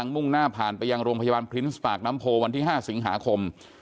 มุ่งหน้าผ่านไปยังโรงพยาบาลพรินส์ปากน้ำโพวันที่๕สิงหาคม